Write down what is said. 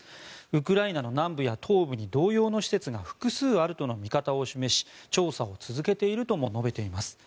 ウクライナの南部や東部に同様の施設が複数あるとの見方を示し調査を続けているとも述べています。